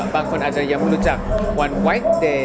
บางคนอาจจะยังไม่รู้จักวันไวท์เดย์